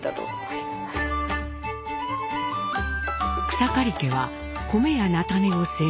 草刈家は米や菜種を生産。